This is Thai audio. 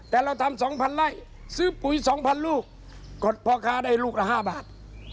แต่เราทำ๒๐๐ไร่ซื้อปุ๋ย๒๐๐ลูกกดพ่อค้าได้ลูกละ๕บาท